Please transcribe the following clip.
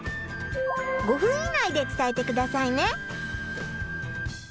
５分以内でつたえてくださいね！